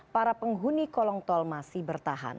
para penghuni kolong tol masih bertahan